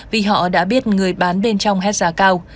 vì họ đã biết người bán bên trong hết giá cao